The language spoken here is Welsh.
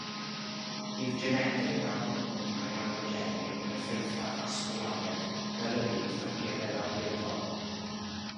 Bydd geneteg a hormonau androgenig yn effeithio ar fasgwlaredd, fel y bydd tymheredd amredol.